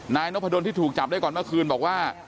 นายนพดลที่ถูกจับได้ก่อนเมื่อคืนบอกว่า